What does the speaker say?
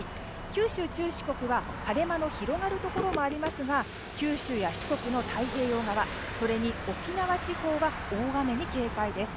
九州、中四国は、晴れ間の広がるところもありますが九州や四国の太平洋側、それに沖縄地方は大雨に警戒です。